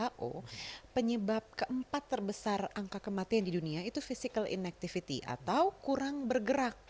who penyebab keempat terbesar angka kematian di dunia itu physical inactivity atau kurang bergerak